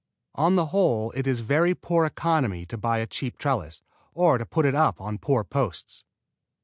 On the whole it is very poor economy to buy a cheap trellis or to put it up on poor posts.